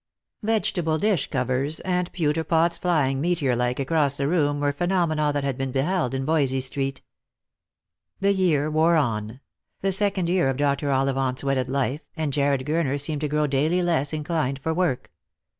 Vegetable dish covers and pewter pots flying, meteor like, across the room were phenomena that had been beheld in Voysey street. The year wore on — the second year of Dr. Ollivant's wedded ife, and Jarred Gurner seemed to grow daily less inclined for work.